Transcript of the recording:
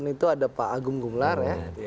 dua ribu delapan itu ada pak agung gumlar